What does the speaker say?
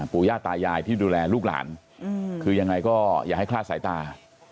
ย่าตายายที่ดูแลลูกหลานคือยังไงก็อย่าให้คลาดสายตา